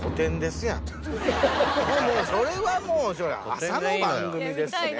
それはもう朝の番組ですしね。